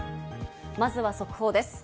まずは速報です。